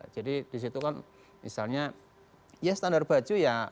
jadi disitu kan misalnya ya standar baju ya